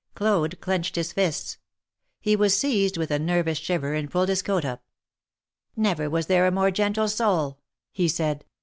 Claude clenched his fists. He was seized with a nervous shiver and pulled his coat up. "Never was there a more gentle soul," he said.